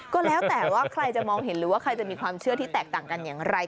ก็แล้วแต่ว่าใครจะมองเห็นหรือว่าใครจะมีความเชื่อที่แตกต่างกันอย่างไร